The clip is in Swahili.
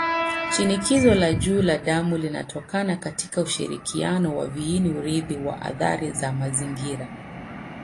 Shinikizo la juu la damu linatokana katika ushirikiano wa viini-urithi na athari za mazingira.